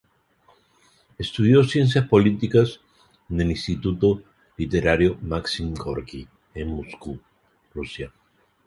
Estudió ciencias políticas en el Instituto Literario Maxim Gorky, en Moscú, Rusia.